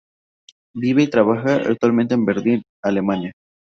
Vive y trabaja actualmente en Berlín, Alemania.